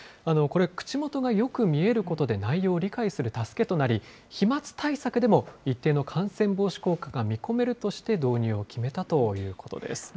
これ、口元がよく見えることで内容を理解する助けとなり、飛まつ対策でも一定の感染防止効果が見込めるとして、導入を決めたということです。